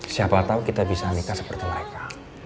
siapa tahu kita bisa nikah seperti mereka